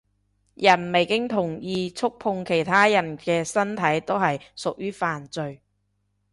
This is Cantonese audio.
人未經同意觸碰其他人嘅身體都係屬於犯罪